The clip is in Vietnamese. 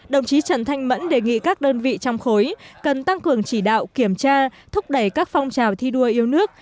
đồng chí trần thanh mẫn đề nghị các đơn vị trong khối cần tăng cường chỉ đạo kiểm tra thúc đẩy các phong trào thi đua yêu nước